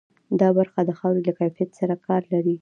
دا برخه د خاورې له کیفیت سره کار لري.